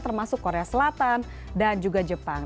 termasuk korea selatan dan juga jepang